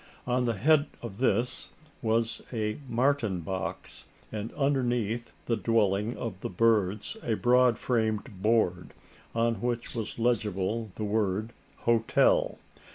On the head of this was a "martin box"; and underneath the dwelling of the birds, a broad framed board, on which was legible the word "Hotel."